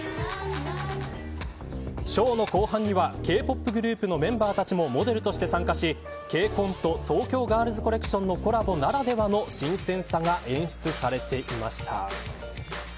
ショーの後半にはＫ‐ＰＯＰグループのメンバーたちもモデルとして参加しＫＣＯＮと東京ガールズコレクションのコラボならではの新鮮さが演出されていました。